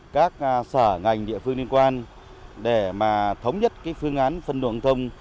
các sở ngành địa phương liên quan để mà thống nhất cái phương án phân luồng thông